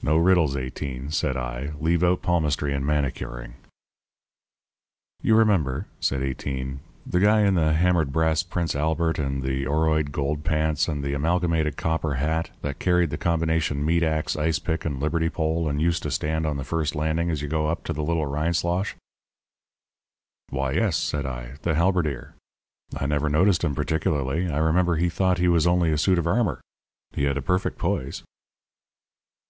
"No riddles, Eighteen," said I. "Leave out palmistry and manicuring." "You remember," said Eighteen, "the guy in the hammered brass Prince Albert and the oroide gold pants and the amalgamated copper hat, that carried the combination meat axe, ice pick, and liberty pole, and used to stand on the first landing as you go up to the Little Rindslosh." "Why, yes," said I. "The halberdier. I never noticed him particularly. I remember he thought he was only a suit of armour. He had a perfect poise."